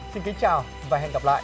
xin kính chào và hẹn gặp lại